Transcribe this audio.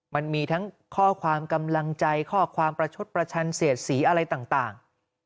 มันมีทั้งข้อความกำลังใจข้อความประชดประชันเสียดสีอะไรต่าง